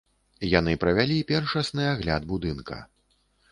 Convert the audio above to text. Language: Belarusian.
Яны правялі першасны агляд будынка.